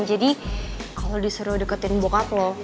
jadi lo disuruh deketin bokap lo